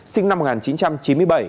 sinh năm một nghìn chín trăm chín mươi bảy